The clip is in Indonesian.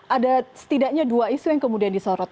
ada setidaknya dua isu yang kemudian disorot